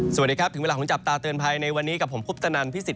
สวัสดีครับถึงเวลาของจับตาเตือนภัยในวันนี้กับผมคุปตนันพิสิท